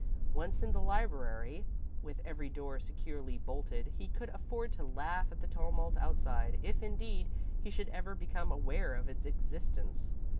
Once in the library, with every door securely bolted, he could afford to laugh at the tumult outside, if, indeed, he should ever become aware of its existence.